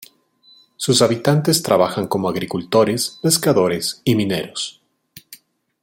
Sus habitantes trabajan como agricultores, pescadores y mineros.